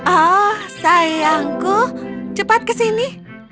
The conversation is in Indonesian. oh sayangku cepat ke sini